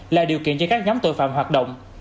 là điều kiện cho các nhóm tội phạm hoạt động